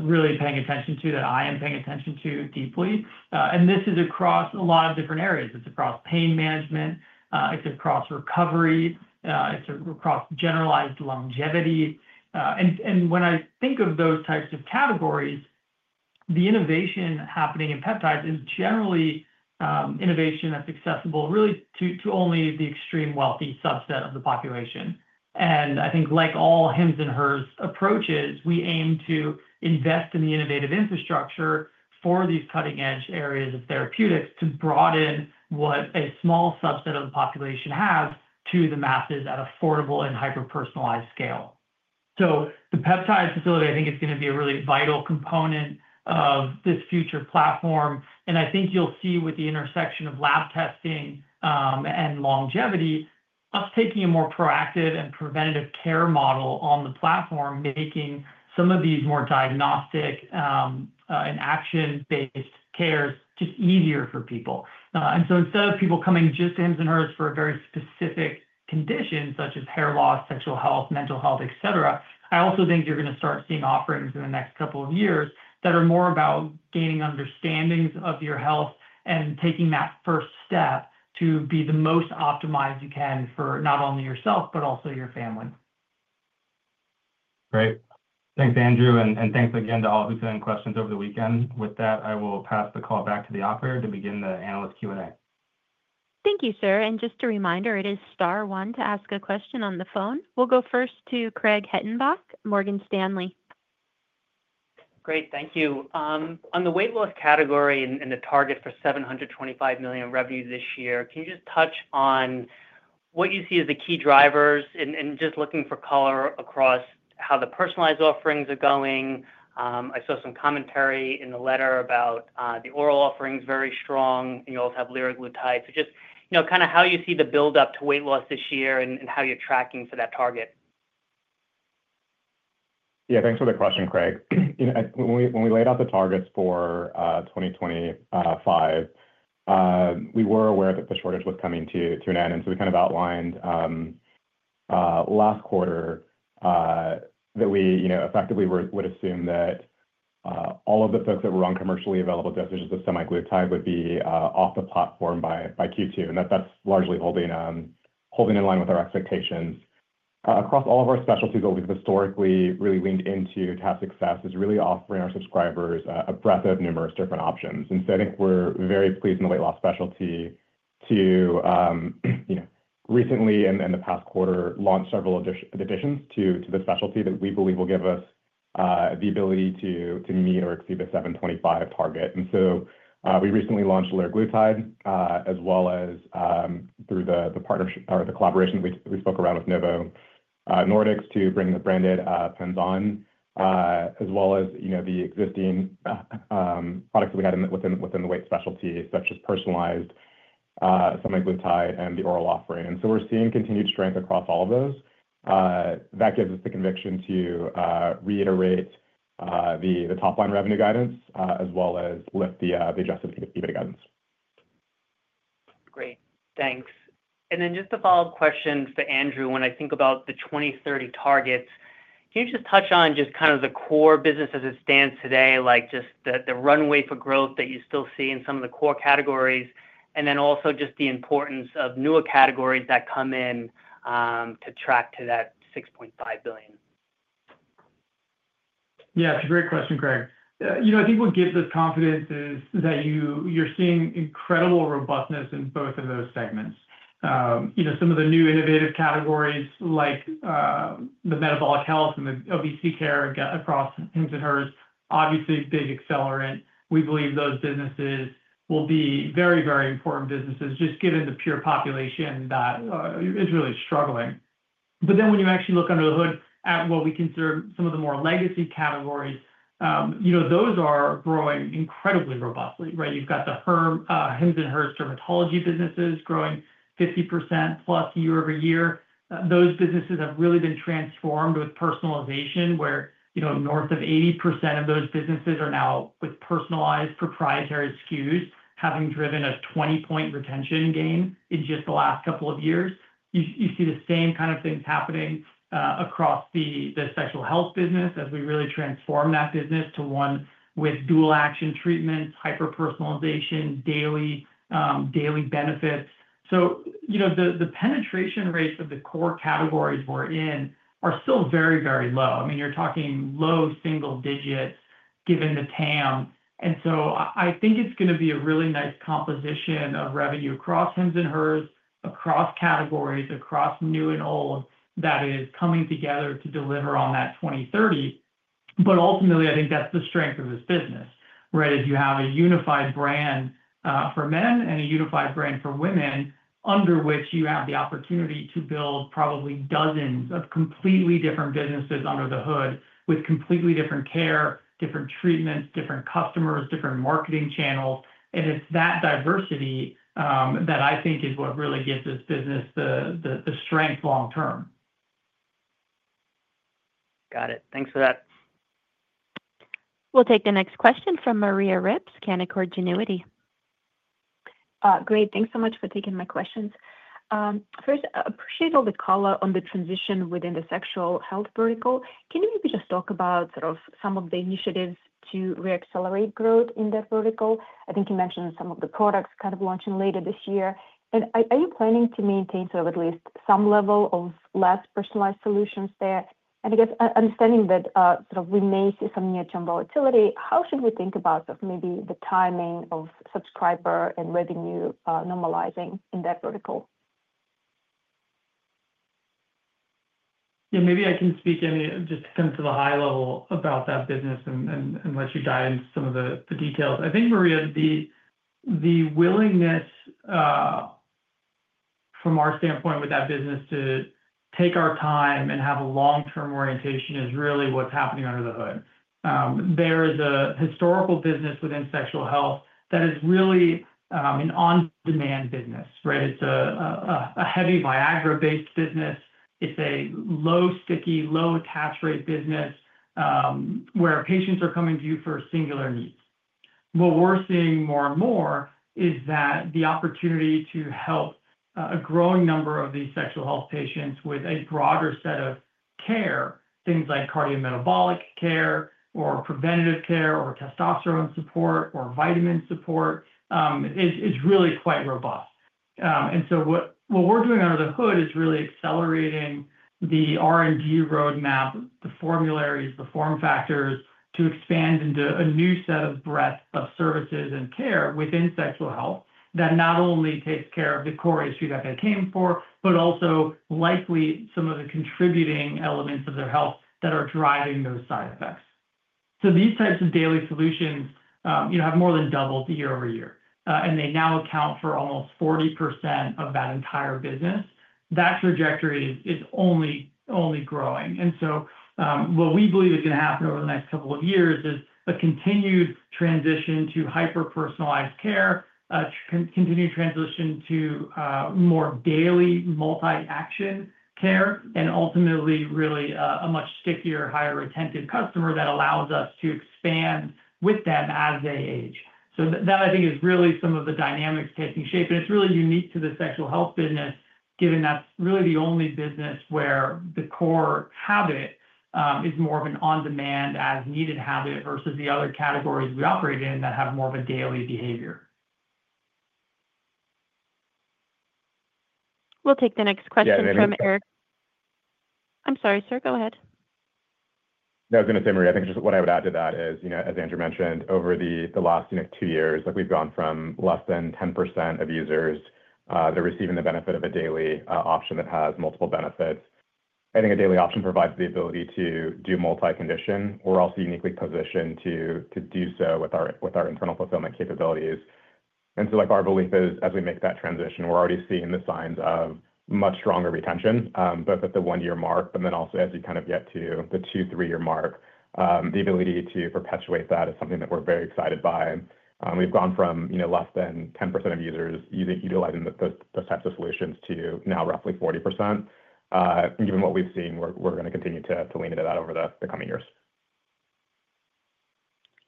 really paying attention to that I am paying attention to deeply. This is across a lot of different areas. It is across pain management. It is across recovery. It is across generalized longevity. When I think of those types of categories, the innovation happening in peptides is generally innovation that is accessible really to only the extreme wealthy subset of the population. I think, like all Hims & Hers approaches, we aim to invest in the innovative infrastructure for these cutting-edge areas of therapeutics to broaden what a small subset of the population has to the masses at affordable and hyper-personalized scale. The peptide facility, I think, is going to be a really vital component of this future platform. I think you'll see with the intersection of lab testing and longevity, us taking a more proactive and preventative care model on the platform, making some of these more diagnostic and action-based cares just easier for people. Instead of people coming just to Hims & Hers for a very specific condition such as hair loss, sexual health, mental health, etc., I also think you're going to start seeing offerings in the next couple of years that are more about gaining understandings of your health and taking that first step to be the most optimized you can for not only yourself, but also your family. Great. Thanks, Andrew. Thanks again to all who sent in questions over the weekend. With that, I will pass the call back to the operator to begin the analyst Q&A. Thank you, sir. Just a reminder, it is star one to ask a question on the phone. We'll go first to Craig Hettenbach, Morgan Stanley. Great. Thank you. On the weight loss category and the target for $725 million revenue this year, can you just touch on what you see as the key drivers and just looking for color across how the personalized offerings are going? I saw some commentary in the letter about the oral offerings very strong, and you also have liraglutide. Just kind of how you see the build-up to weight loss this year and how you're tracking for that target. Yeah, thanks for the question, Craig. When we laid out the targets for 2025, we were aware that the shortage was coming to an end. We kind of outlined last quarter that we effectively would assume that all of the folks that were on commercially available dosages of semaglutide would be off the platform by Q2. That is largely holding in line with our expectations. Across all of our specialties, what we have historically really leaned into to have success is really offering our subscribers a breadth of numerous different options. I think we are very pleased in the weight loss specialty to recently in the past quarter launch several additions to the specialty that we believe will give us the ability to meet or exceed the 725 target. We recently launched liraglutide, as well as through the collaboration we spoke around with Novo Nordisk to bring the branded pens on, as well as the existing products that we had within the weight specialty, such as personalized semaglutide and the oral offering. We are seeing continued strength across all of those. That gives us the conviction to reiterate the top-line revenue guidance as well as lift the adjusted EBITDA guidance. Great. Thanks. Just a follow-up question for Andrew. When I think about the 2030 targets, can you just touch on just kind of the core business as it stands today, like just the runway for growth that you still see in some of the core categories, and then also just the importance of newer categories that come in to track to that $6.5 billion? Yeah, it's a great question, Craig. I think what gives us confidence is that you're seeing incredible robustness in both of those segments. Some of the new innovative categories like the metabolic health and the obesity care across Hims & Hers, obviously a big accelerant. We believe those businesses will be very, very important businesses just given the pure population that is really struggling. When you actually look under the hood at what we consider some of the more legacy categories, those are growing incredibly robustly. You've got the Hims & Hers dermatology businesses growing 50% plus year-over-year. Those businesses have really been transformed with personalization, where north of 80% of those businesses are now with personalized proprietary SKUs, having driven a 20-point retention gain in just the last couple of years. You see the same kind of things happening across the sexual health business as we really transform that business to one with dual-action treatments, hyper-personalization, daily benefits. The penetration rates of the core categories we're in are still very, very low. I mean, you're talking low single digits given the TAM. I think it's going to be a really nice composition of revenue across Hims & Hers, across categories, across new and old that is coming together to deliver on that 2030. Ultimately, I think that's the strength of this business, right? If you have a unified brand for men and a unified brand for women, under which you have the opportunity to build probably dozens of completely different businesses under the hood with completely different care, different treatments, different customers, different marketing channels. It is that diversity that I think is what really gives this business the strength long-term. Got it. Thanks for that. We'll take the next question from Maria Ripps, Canaccord Genuity. Great. Thanks so much for taking my questions. First, I appreciate all the call-out on the transition within the sexual health vertical. Can you maybe just talk about sort of some of the initiatives to re-accelerate growth in that vertical? I think you mentioned some of the products kind of launching later this year. Are you planning to maintain sort of at least some level of less personalized solutions there? I guess understanding that sort of we may see some near-term volatility, how should we think about maybe the timing of subscriber and revenue normalizing in that vertical? Yeah, maybe I can speak just to come to the high level about that business and let you dive into some of the details. I think, Maria, the willingness from our standpoint with that business to take our time and have a long-term orientation is really what's happening under the hood. There is a historical business within sexual health that is really an on-demand business, right? It's a heavy Viagra-based business. It's a low-sticky, low-attach rate business where patients are coming to you for singular needs. What we're seeing more and more is that the opportunity to help a growing number of these sexual health patients with a broader set of care, things like cardiometabolic care or preventative care or testosterone support or vitamin support, is really quite robust. What we are doing under the hood is really accelerating the R&D roadmap, the formularies, the form factors to expand into a new set of breadth of services and care within sexual health that not only takes care of the core issue that they came for, but also likely some of the contributing elements of their health that are driving those side effects. These types of daily solutions have more than doubled year-over-year. They now account for almost 40% of that entire business. That trajectory is only growing. What we believe is going to happen over the next couple of years is a continued transition to hyper-personalized care, continued transition to more daily multi-action care, and ultimately really a much stickier, higher-retentive customer that allows us to expand with them as they age. That, I think, is really some of the dynamics taking shape. It is really unique to the sexual health business, given that is really the only business where the core habit is more of an on-demand, as-needed habit versus the other categories we operate in that have more of a daily behavior. We'll take the next question from Eric. I'm sorry, sir. Go ahead. No, I'm going to say Maria. I think what I would add to that is, as Andrew mentioned, over the last two years, we've gone from less than 10% of users that are receiving the benefit of a daily option that has multiple benefits. I think a daily option provides the ability to do multi-condition. We're also uniquely positioned to do so with our internal fulfillment capabilities. Our belief is, as we make that transition, we're already seeing the signs of much stronger retention, both at the one-year mark, but then also as you kind of get to the two, three-year mark, the ability to perpetuate that is something that we're very excited by. We've gone from less than 10% of users utilizing those types of solutions to now roughly 40%. Given what we've seen, we're going to continue to lean into that over the coming years.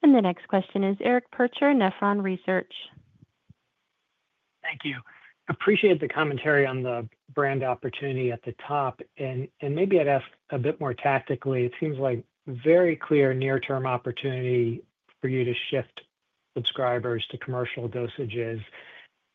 The next question is Eric Percher, Nephron Research. Thank you. Appreciate the commentary on the brand opportunity at the top. Maybe I'd ask a bit more tactically. It seems like very clear near-term opportunity for you to shift subscribers to commercial dosages.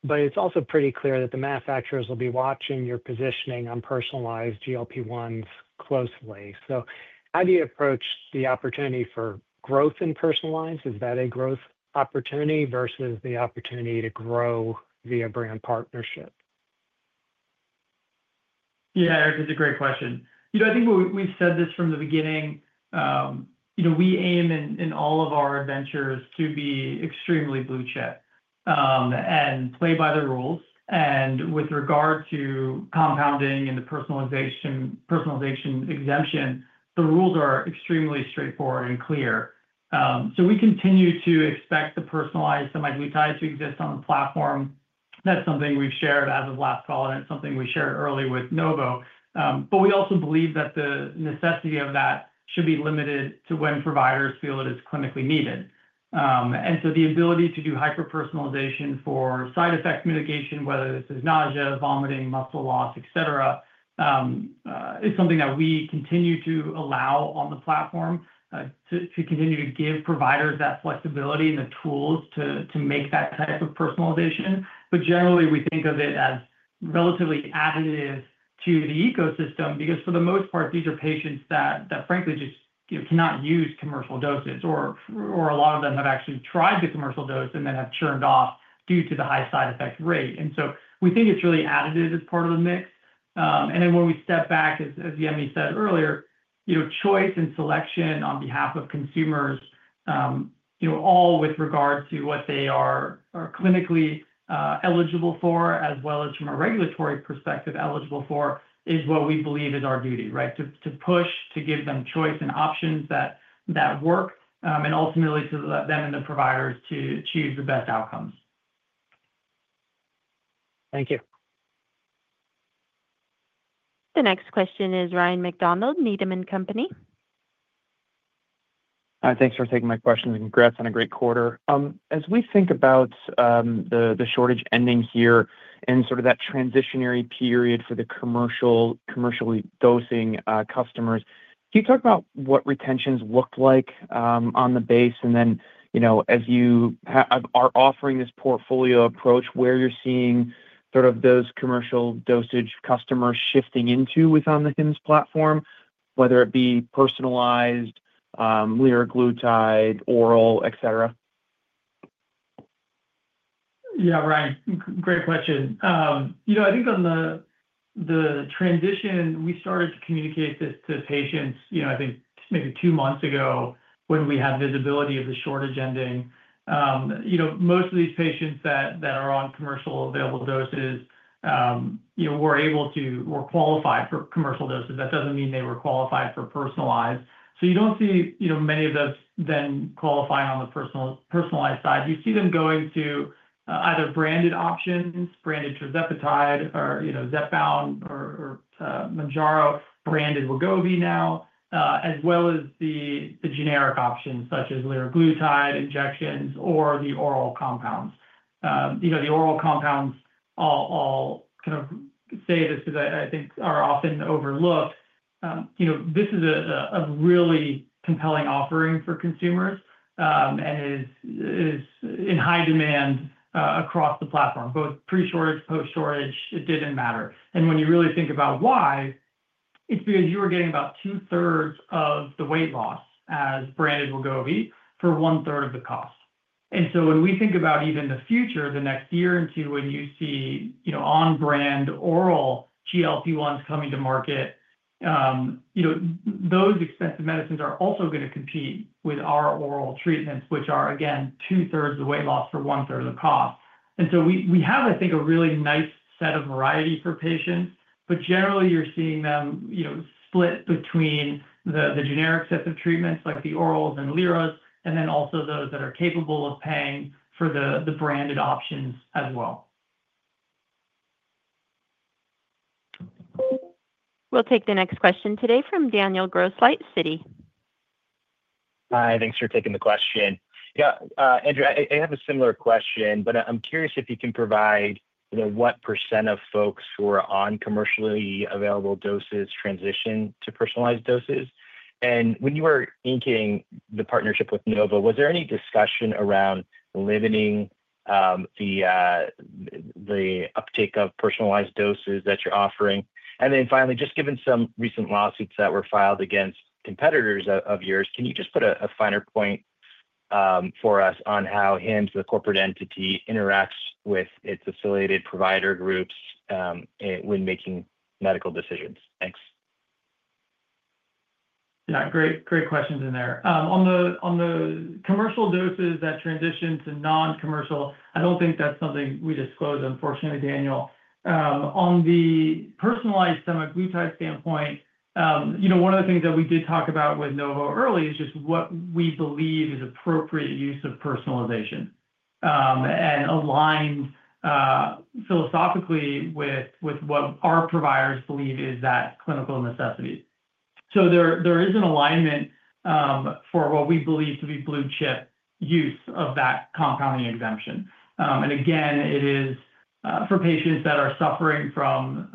It's also pretty clear that the manufacturers will be watching your positioning on personalized GLP-1s closely. How do you approach the opportunity for growth in personalized? Is that a growth opportunity versus the opportunity to grow via brand partnership? Yeah, Eric, that's a great question. I think we've said this from the beginning. We aim in all of our adventures to be extremely blue-chip and play by the rules. With regard to compounding and the personalization exemption, the rules are extremely straightforward and clear. We continue to expect the personalized semaglutide to exist on the platform. That's something we've shared as of last call, and it's something we shared early with Novo. We also believe that the necessity of that should be limited to when providers feel it is clinically needed. The ability to do hyper-personalization for side effect mitigation, whether this is nausea, vomiting, muscle loss, etc., is something that we continue to allow on the platform to continue to give providers that flexibility and the tools to make that type of personalization. Generally, we think of it as relatively additive to the ecosystem because, for the most part, these are patients that, frankly, just cannot use commercial doses. A lot of them have actually tried the commercial dose and then have churned off due to the high side effect rate. We think it is really additive as part of the mix. When we step back, as Yemi said earlier, choice and selection on behalf of consumers, all with regard to what they are clinically eligible for, as well as from a regulatory perspective eligible for, is what we believe is our duty, right, to push to give them choice and options that work, and ultimately to let them and the providers achieve the best outcomes. Thank you. The next question is Ryan MacDonald, Needham & Company. Hi, thanks for taking my questions. Congrats on a great quarter. As we think about the shortage ending here and sort of that transitionary period for the commercial dosing customers, can you talk about what retentions look like on the base? As you are offering this portfolio approach, where you're seeing sort of those commercial dosage customers shifting into within the Hims platform, whether it be personalized, liraglutide, oral, etc.? Yeah, Ryan, great question. I think on the transition, we started to communicate this to patients, I think, maybe two months ago when we had visibility of the shortage ending. Most of these patients that are on commercially available doses were able to or qualified for commercial doses. That doesn't mean they were qualified for personalized. You don't see many of those then qualifying on the personalized side. You see them going to either branded options, branded tirzepatide or Zepbound or Mounjaro, branded Wegovy now, as well as the generic options such as liraglutide injections or the oral compounds. The oral compounds, I'll kind of say this because I think are often overlooked. This is a really compelling offering for consumers and is in high demand across the platform, both pre-shortage, post-shortage. It did not matter. When you really think about why, it is because you were getting about 2/3 of the weight loss as branded Wegovy for 1/3 of the cost. When we think about even the future, the next year into when you see on-brand oral GLP-1s coming to market, those expensive medicines are also going to compete with our oral treatments, which are, again, 2/3 of the weight loss for 1/3 of the cost. We have, I think, a really nice set of variety for patients. Generally, you are seeing them split between the generic sets of treatments like the orals and liraglutide, and then also those that are capable of paying for the branded options as well. We'll take the next question today from Daniel Grosslight, Citi. Hi, thanks for taking the question. Yeah, Andrew, I have a similar question, but I'm curious if you can provide what % of folks who are on commercially available doses transition to personalized doses. When you were inking the partnership with Novo, was there any discussion around limiting the uptake of personalized doses that you're offering? Finally, just given some recent lawsuits that were filed against competitors of yours, can you just put a finer point for us on how Hims, the corporate entity, interacts with its affiliated provider groups when making medical decisions? Thanks. Yeah, great questions in there. On the commercial doses that transition to non-commercial, I don't think that's something we disclose, unfortunately, Daniel. On the personalized semaglutide standpoint, one of the things that we did talk about with Novo early is just what we believe is appropriate use of personalization and aligned philosophically with what our providers believe is that clinical necessity. There is an alignment for what we believe to be blue-chip use of that compounding exemption. Again, it is for patients that are suffering from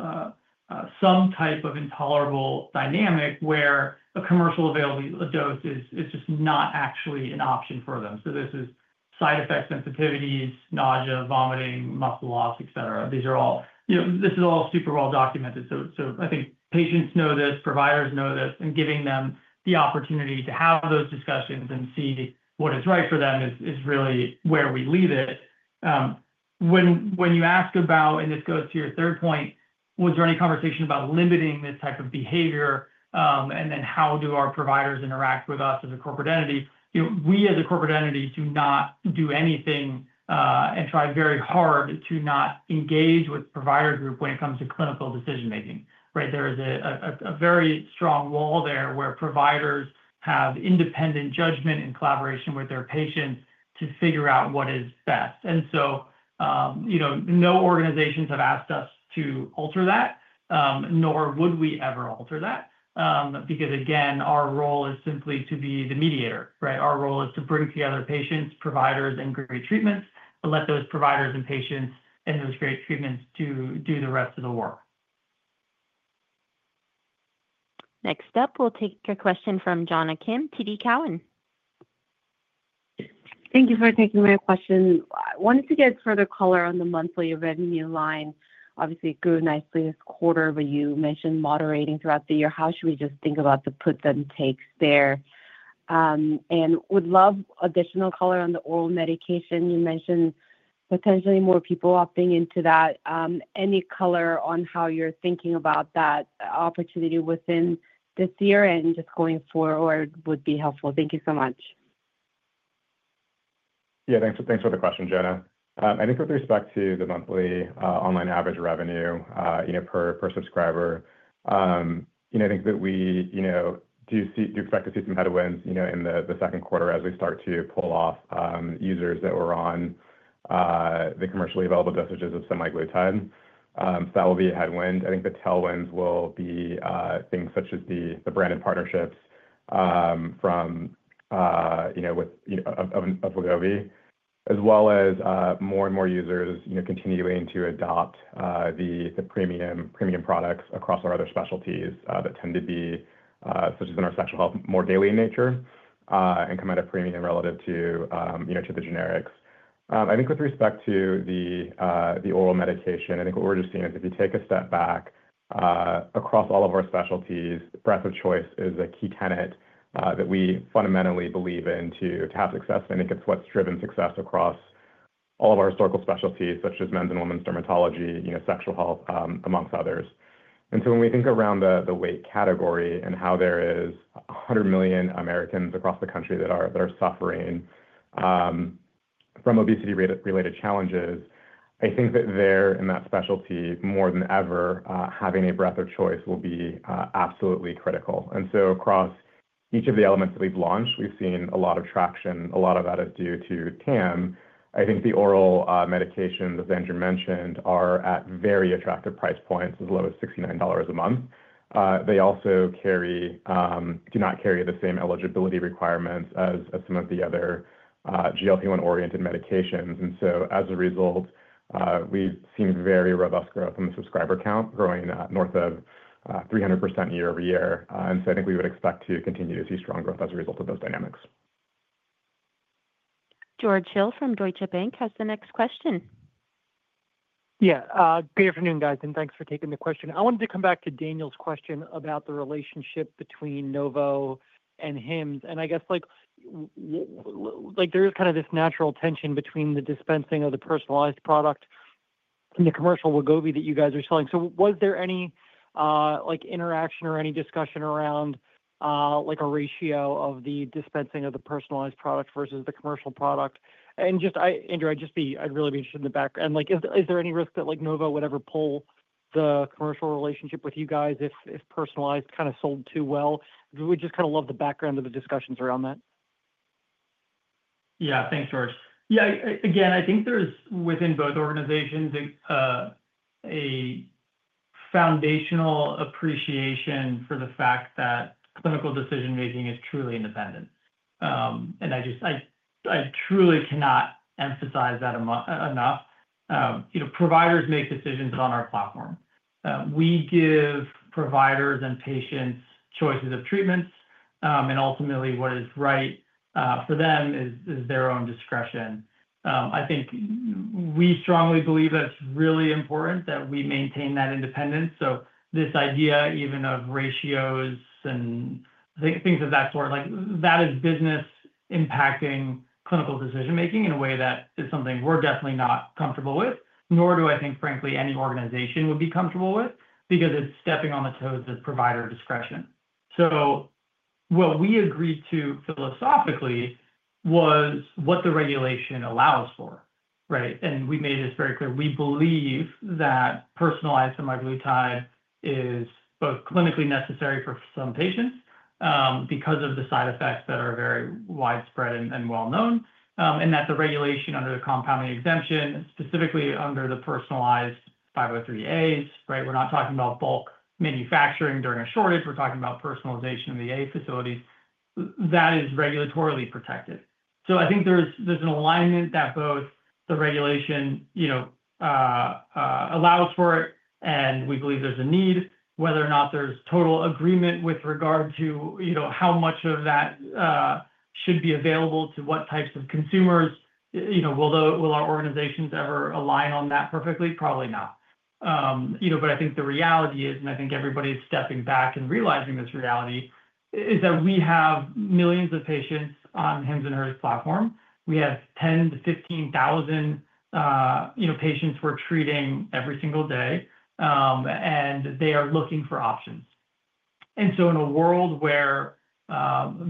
some type of intolerable dynamic where a commercially available dose is just not actually an option for them. This is side effect sensitivities, nausea, vomiting, muscle loss, etc. This is all super well documented. I think patients know this, providers know this, and giving them the opportunity to have those discussions and see what is right for them is really where we leave it. When you ask about, and this goes to your third point, was there any conversation about limiting this type of behavior and then how do our providers interact with us as a corporate entity? We, as a corporate entity, do not do anything and try very hard to not engage with the provider group when it comes to clinical decision-making, right? There is a very strong wall there where providers have independent judgment and collaboration with their patients to figure out what is best. No organizations have asked us to alter that, nor would we ever alter that. Because, again, our role is simply to be the mediator, right? Our role is to bring together patients, providers, and great treatments and let those providers and patients and those great treatments do the rest of the work. Next up, we'll take your question from Jonna Kim, TD Cowen. Thank you for taking my question. I wanted to get further color on the monthly revenue line. Obviously, it grew nicely this quarter, but you mentioned moderating throughout the year. How should we just think about the puts and takes there? Would love additional color on the oral medication. You mentioned potentially more people opting into that. Any color on how you're thinking about that opportunity within this year and just going forward would be helpful. Thank you so much. Yeah, thanks for the question, Jonna. I think with respect to the monthly online average revenue per subscriber, I think that we do expect to see some headwinds in the Q2 as we start to pull off users that were on the commercially available dosages of semaglutide. That will be a headwind. I think the tailwinds will be things such as the branded partnerships from with Wegovy, as well as more and more users continuing to adopt the premium products across our other specialties that tend to be, such as in our sexual health, more daily in nature and come at a premium relative to the generics. I think with respect to the oral medication, I think what we're just seeing is if you take a step back across all of our specialties, breadth of choice is a key tenet that we fundamentally believe in to have success. I think it's what's driven success across all of our historical specialties, such as men's and women's dermatology, sexual health, amongst others. When we think around the weight category and how there are 100 million Americans across the country that are suffering from obesity-related challenges, I think that there in that specialty more than ever, having a breadth of choice will be absolutely critical. Across each of the elements that we have launched, we have seen a lot of traction. A lot of that is due to TAM. I think the oral medications, as Andrew mentioned, are at very attractive price points as low as $69 a month. They also do not carry the same eligibility requirements as some of the other GLP-1 oriented medications. As a result, we have seen very robust growth in the subscriber count growing north of 300% year-over-year. I think we would expect to continue to see strong growth as a result of those dynamics. George Hill from Deutsche Bank has the next question. Yeah, good afternoon, guys, and thanks for taking the question. I wanted to come back to Daniel's question about the relationship between Novo and Hims. I guess there is kind of this natural tension between the dispensing of the personalized product and the commercial Wegovy that you guys are selling. Was there any interaction or any discussion around a ratio of the dispensing of the personalized product versus the commercial product? Just, Andrew, I'd really be interested in the background. Is there any risk that Novo would ever pull the commercial relationship with you guys if personalized kind of sold too well? We'd just kind of love the background of the discussions around that. Yeah, thanks, George. Yeah, again, I think there's within both organizations a foundational appreciation for the fact that clinical decision-making is truly independent. I truly cannot emphasize that enough. Providers make decisions on our platform. We give providers and patients choices of treatments. Ultimately, what is right for them is their own discretion. I think we strongly believe that it's really important that we maintain that independence. This idea even of ratios and things of that sort, that is business impacting clinical decision-making in a way that is something we're definitely not comfortable with, nor do I think, frankly, any organization would be comfortable with because it's stepping on the toes of provider discretion. What we agreed to philosophically was what the regulation allows for, right? We made it very clear. We believe that personalized semaglutide is both clinically necessary for some patients because of the side effects that are very widespread and well-known, and that the regulation under the compounding exemption, specifically under the personalized 503A facilities, right? We're not talking about bulk manufacturing during a shortage. We're talking about personalization of the 503A facilities. That is regulatorily protected. I think there's an alignment that both the regulation allows for it, and we believe there's a need. Whether or not there's total agreement with regard to how much of that should be available to what types of consumers, will our organizations ever align on that perfectly? Probably not. I think the reality is, and I think everybody's stepping back and realizing this reality, is that we have millions of patients on Hims & Hers platform. We have 10,000-15,000 patients we're treating every single day, and they are looking for options. In a world where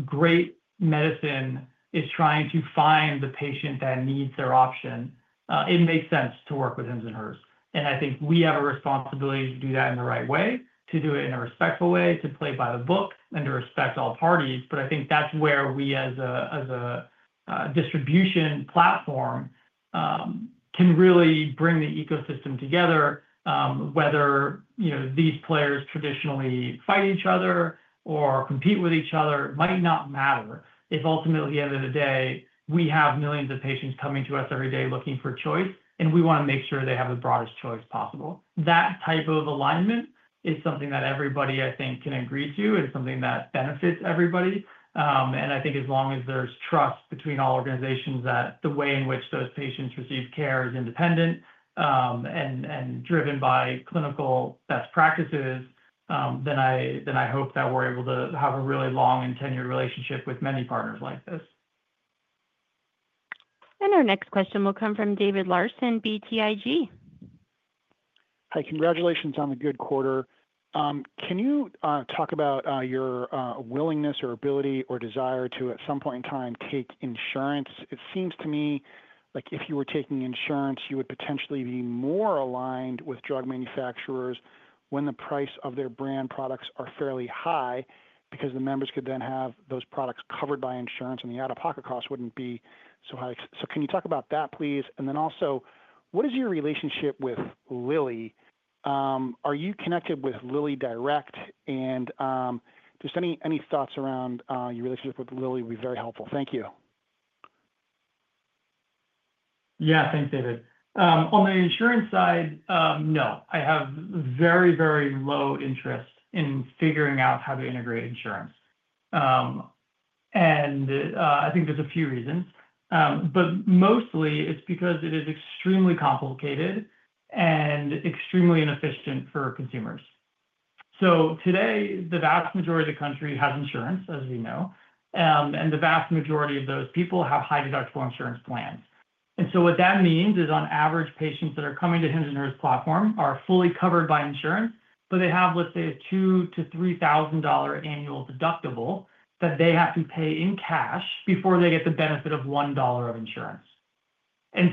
great medicine is trying to find the patient that needs their option, it makes sense to work with Hims & Hers. I think we have a responsibility to do that in the right way, to do it in a respectful way, to play by the book, and to respect all parties. I think that's where we, as a distribution platform, can really bring the ecosystem together, whether these players traditionally fight each other or compete with each other might not matter. If ultimately, at the end of the day, we have millions of patients coming to us every day looking for choice, and we want to make sure they have the broadest choice possible. That type of alignment is something that everybody, I think, can agree to. It's something that benefits everybody. I think as long as there's trust between all organizations that the way in which those patients receive care is independent and driven by clinical best practices, I hope that we're able to have a really long and tenured relationship with many partners like this. Our next question will come from David Larsen, BTIG. Hi, congratulations on the good quarter. Can you talk about your willingness or ability or desire to, at some point in time, take insurance? It seems to me like if you were taking insurance, you would potentially be more aligned with drug manufacturers when the price of their brand products are fairly high because the members could then have those products covered by insurance, and the out-of-pocket cost wouldn't be so high. Can you talk about that, please? Also, what is your relationship with Lilly? Are you connected with LillyDirect? And just any thoughts around your relationship with Lilly would be very helpful. Thank you. Yeah, thanks, David. On the insurance side, no. I have very, very low interest in figuring out how to integrate insurance. I think there's a few reasons. Mostly, it's because it is extremely complicated and extremely inefficient for consumers. Today, the vast majority of the country has insurance, as we know, and the vast majority of those people have high-deductible insurance plans. What that means is, on average, patients that are coming to Hims & Hers platform are fully covered by insurance, but they have, let's say, a $2,000-$3,000 annual deductible that they have to pay in cash before they get the benefit of $1 of insurance.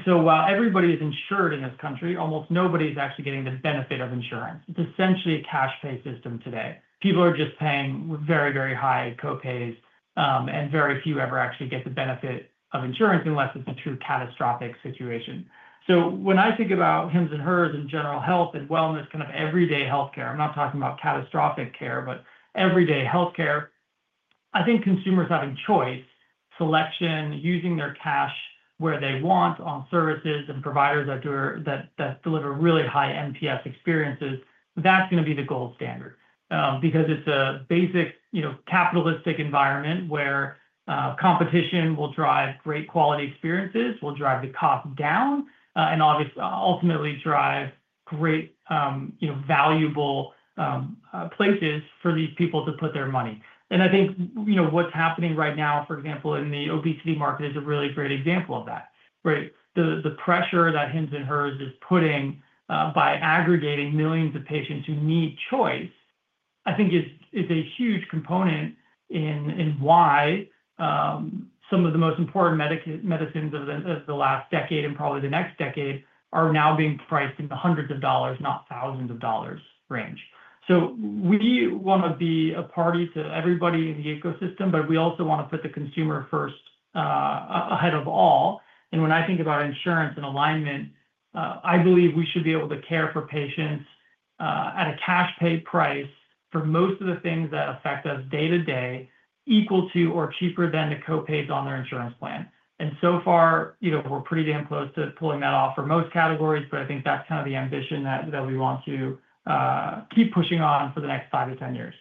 While everybody is insured in this country, almost nobody is actually getting the benefit of insurance. It's essentially a cash-pay system today. People are just paying very, very high copays, and very few ever actually get the benefit of insurance unless it's a true catastrophic situation. When I think about Hims & Hers Health and general health and wellness, kind of everyday healthcare, I'm not talking about catastrophic care, but everyday healthcare, I think consumers having choice, selection, using their cash where they want on services and providers that deliver really high NPS experiences, that's going to be the gold standard because it's a basic capitalistic environment where competition will drive great quality experiences, will drive the cost down, and ultimately drive great valuable places for these people to put their money. I think what's happening right now, for example, in the obesity market is a really great example of that, right? The pressure that Hims & Hers is putting by aggregating millions of patients who need choice, I think, is a huge component in why some of the most important medicines of the last decade and probably the next decade are now being priced in the hundreds of dollars, not thousands of dollars range. We want to be a party to everybody in the ecosystem, but we also want to put the consumer first ahead of all. When I think about insurance and alignment, I believe we should be able to care for patients at a cash-pay price for most of the things that affect us day to day equal to or cheaper than the copays on their insurance plan. So far, we're pretty damn close to pulling that off for most categories, but I think that's kind of the ambition that we want to keep pushing on for the next five to ten years.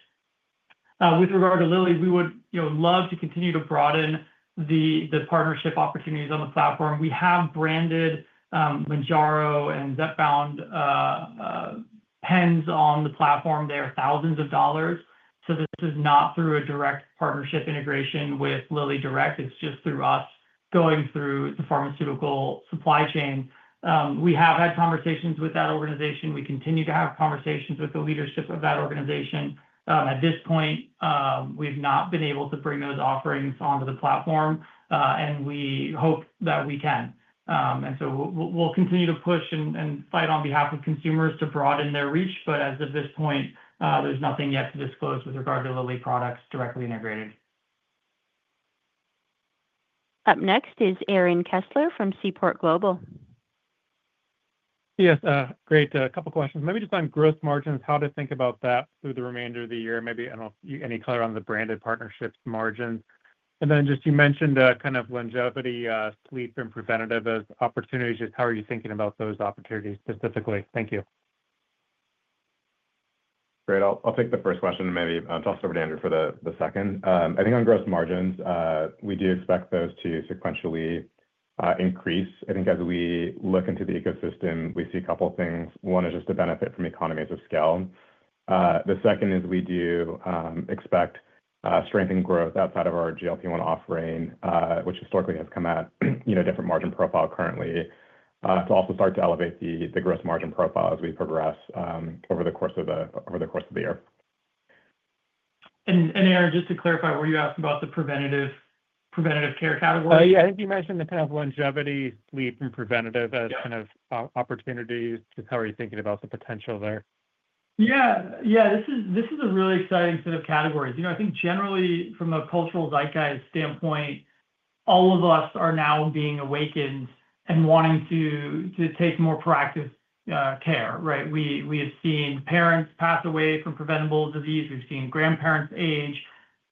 With regard to Lilly, we would love to continue to broaden the partnership opportunities on the platform. We have branded Mounjaro and Zepbound pens on the platform. They are thousands of dollars. This is not through a direct partnership integration with LillyDirect. It's just through us going through the pharmaceutical supply chain. We have had conversations with that organization. We continue to have conversations with the leadership of that organization. At this point, we've not been able to bring those offerings onto the platform, and we hope that we can. We'll continue to push and fight on behalf of consumers to broaden their reach. As of this point, there's nothing yet to disclose with regard to Lilly products directly integrated. Up next is Aaron Kessler from Seaport Global. Yes, great. A couple of questions. Maybe just on gross margins, how to think about that through the remainder of the year, maybe any color on the branded partnerships margins. Then just you mentioned kind of longevity, sleep, and preventative opportunities. Just how are you thinking about those opportunities specifically? Thank you. Great. I'll take the first question and maybe toss it over to Andrew for the second. I think on gross margins, we do expect those to sequentially increase. I think as we look into the ecosystem, we see a couple of things. One is just a benefit from economies of scale. The second is we do expect strengthened growth outside of our GLP-1 offering, which historically has come at a different margin profile currently, to also start to elevate the gross margin profile as we progress over the course of the year. Aaron, just to clarify, were you asking about the preventative care category? Yeah, I think you mentioned the kind of longevity, sleep, and preventative as kind of opportunities. Just how are you thinking about the potential there? Yeah, this is a really exciting set of categories. I think generally, from a cultural zeitgeist standpoint, all of us are now being awakened and wanting to take more proactive care, right? We have seen parents pass away from preventable disease. We've seen grandparents age.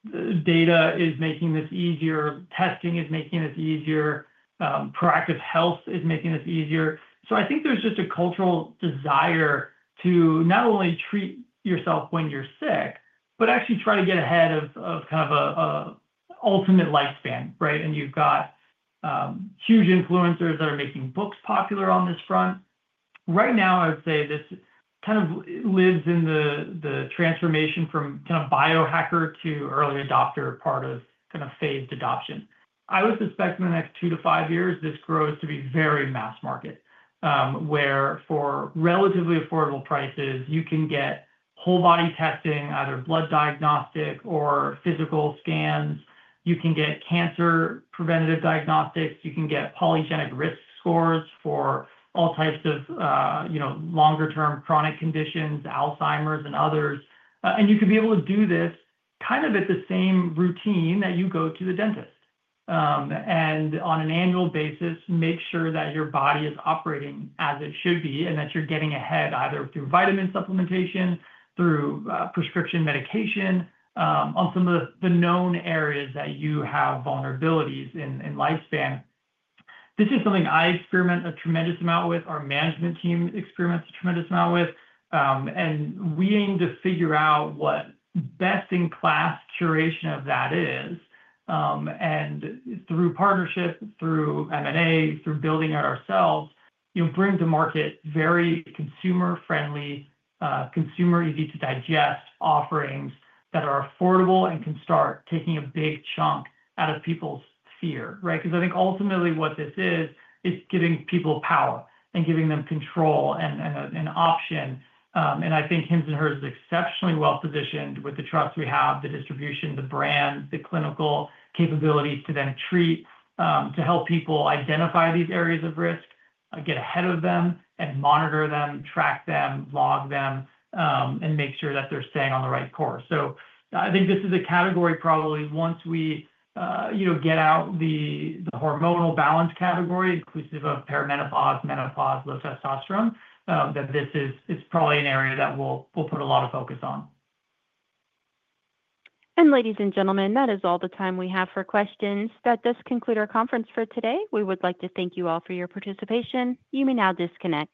Data is making this easier. Testing is making this easier. Proactive health is making this easier. I think there's just a cultural desire to not only treat yourself when you're sick, but actually try to get ahead of kind of an ultimate lifespan, right? You've got huge influencers that are making books popular on this front. Right now, I would say this kind of lives in the transformation from kind of biohacker to early adopter part of kind of phased adoption. I would suspect in the next two to five years, this grows to be very mass market, where for relatively affordable prices, you can get whole-body testing, either blood diagnostic or physical scans. You can get cancer preventative diagnostics. You can get polygenic risk scores for all types of longer-term chronic conditions, Alzheimer's and others. You can be able to do this kind of at the same routine that you go to the dentist. On an annual basis, make sure that your body is operating as it should be and that you're getting ahead either through vitamin supplementation, through prescription medication, on some of the known areas that you have vulnerabilities in lifespan. This is something I experiment a tremendous amount with. Our management team experiments a tremendous amount with. We aim to figure out what best-in-class curation of that is. Through partnership, through M&A, through building it ourselves, bring to market very consumer-friendly, consumer-easy-to-digest offerings that are affordable and can start taking a big chunk out of people's fear, right? I think ultimately what this is, it's giving people power and giving them control and an option. I think Hims & Hers is exceptionally well-positioned with the trust we have, the distribution, the brand, the clinical capabilities to then treat, to help people identify these areas of risk, get ahead of them, and monitor them, track them, log them, and make sure that they're staying on the right course. I think this is a category probably once we get out the hormonal balance category, inclusive of perimenopause, menopause, low testosterone, that this is probably an area that we'll put a lot of focus on. Ladies and gentlemen, that is all the time we have for questions. That does conclude our conference for today. We would like to thank you all for your participation. You may now disconnect.